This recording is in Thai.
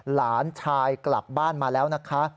หลานชายกลับบ้านมาแล้วนะคะ